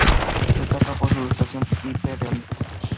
Destaca por su ilustración hiperrealista.